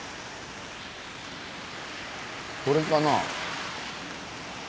これかな？